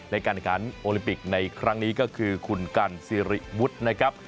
ในการขันโอลิมปิกในครั้งนี้ก็คือคุณกันสิริวุฒินะครับ